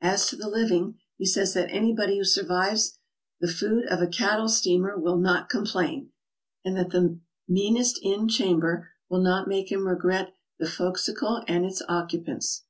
As to the living, he says that anybody who survives the food of a cattle steamer will not complain, and that the meanest inn chamber will not make him regret the fore castle and its occupants.